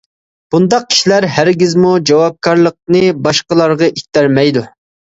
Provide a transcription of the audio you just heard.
بۇنداق كىشىلەر ھەرگىزمۇ جاۋابكارلىقنى باشقىلارغا ئىتتەرمەيدۇ.